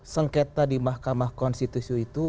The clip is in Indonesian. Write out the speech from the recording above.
sengketa di mahkamah konstitusi itu